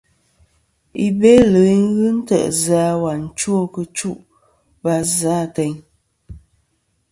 I Belo i ghɨ ntè' zɨ a và chwo kitchu va zɨ a teyn.